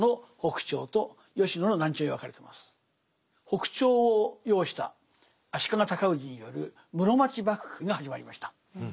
北朝を擁した足利尊氏による室町幕府が始まりました。